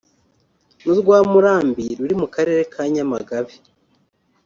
n’urwa Murambi ruri mu Karere ka Nyamagabe